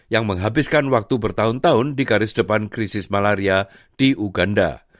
yang menghabiskan waktu bertahun tahun di garis depan krisis malaria di uganda